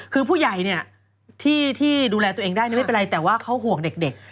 คือผู้ใหญ่เนี่ยที่ดูแลตัวเองได้ไม่เป็นไรแต่ว่าเขาห่วงเด็ก